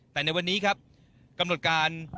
แต่ในวันนี้ครับกำหนดการ